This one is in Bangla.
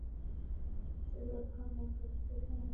সেলভামের কাছ থেকে নিয়ে।